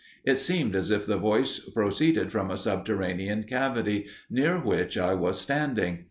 It seemed as if the voice proceeded from a subterranean cavity near which I was standing.